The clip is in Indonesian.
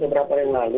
seberapa tahun lalu